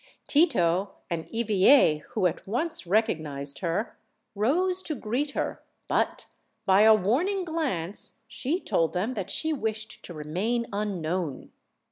Tito and Eveille, who at once recognized her, rose to greet her, but by a warning glance she told them that she wished to remain unknown.